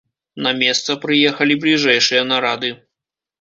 На месца прыехалі бліжэйшыя нарады.